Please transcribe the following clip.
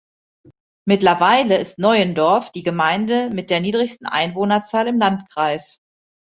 Mittlerweile ist Neuendorf die Gemeinde mit der niedrigsten Einwohnerzahl im Landkreis.